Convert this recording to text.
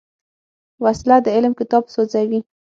وسله د علم کتاب سوځوي